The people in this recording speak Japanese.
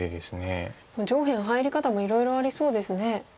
上辺入り方もいろいろありそうですね。